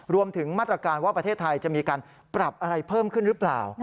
รวมถึงมาตรการว่าประเทศไทยจะมีการปรับอะไรเพิ่มขึ้นหรือเปล่า